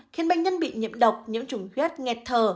khiến bệnh nhân bị nhiễm độc nhiễm trùng huyết nghẹt thở